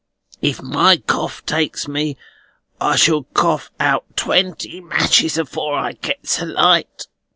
If my cough takes me, I shall cough out twenty matches afore I gets a light."